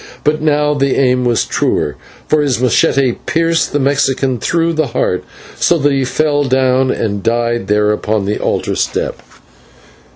But now the aim was truer, for his /machete/ pierced the Mexican through the heart, so that he fell down and died there upon the altar step.